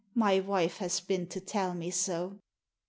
My wife has been to tell me so."